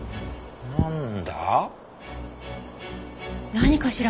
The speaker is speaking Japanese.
何かしら？